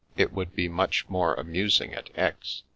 It would be much more amus ing at Aix.